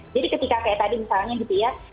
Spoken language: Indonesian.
jadi ketika kayak tadi misalnya gitu ya